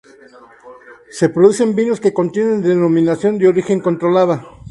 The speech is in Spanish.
Se producen vinos que tienen denominación de origen controlada.